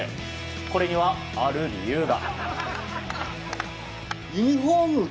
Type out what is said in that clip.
これにはある理由が。